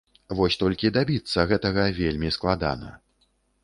Вось толькі дабіцца гэтага вельмі складана.